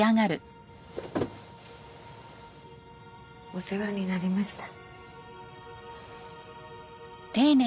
お世話になりました。